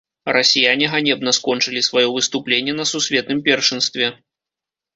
Расіяне ганебна скончылі сваё выступленне на сусветным першынстве.